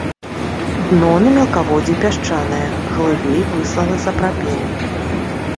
Дно на мелкаводдзі пясчанае, глыбей выслана сапрапелем.